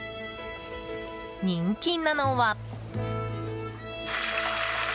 人気なのは。